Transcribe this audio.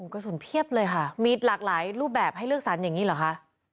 กระสุนเพียบเลยค่ะมีหลากหลายรูปแบบให้เลือกสรรอย่างนี้เหรอคะ